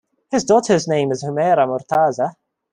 His daughter's name is Humaira Mortaza.